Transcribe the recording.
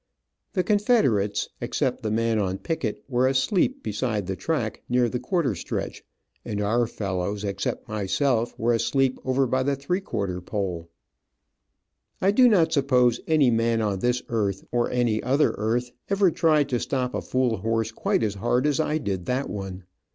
The Confederates, except the man on picket, were asleep beside the track near the quarter stretch, and our fellows, except myself, were asleep over by the three quarter pole.] I do not suppose any man on this earth, or any other earth, ever tried to stop a fool horse quite as hard as I did that one.